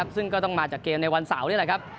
ซึ่งก็ต้องมาจากเกมในวันเสาร์นี่แหละครับ